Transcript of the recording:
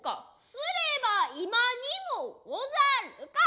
すれば今にもござるか。